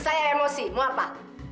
saya emosi mau apa